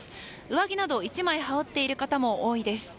上着などを１枚羽織っている方も多いです。